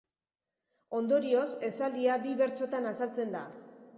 Ondorioz, esaldia bi bertsotan azaltzen da.